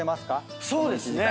そうですね。